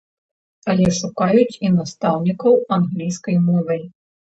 Але шукаюць і настаўнікаў англійскай мовы.